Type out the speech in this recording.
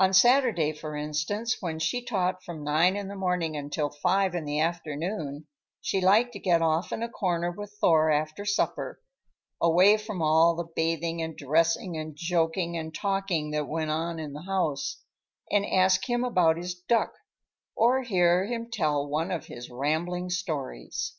On Saturday, for instance, when she taught from nine in the morning until five in the afternoon, she liked to get off in a corner with Thor after supper, away from all the bathing and dressing and joking and talking that went on in the house, and ask him about his duck, or hear him tell one of his rambling stories.